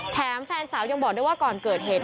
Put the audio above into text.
แฟนสาวยังบอกด้วยว่าก่อนเกิดเหตุ